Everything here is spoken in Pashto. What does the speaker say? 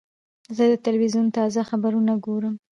زه د تلویزیون تازه خبرونه ګورم.